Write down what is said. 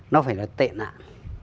nó phải là tệ nạn